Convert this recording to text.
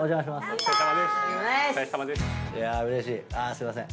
すいません。